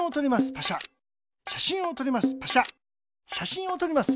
しゃしんをとります。